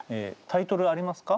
タイトルありますか？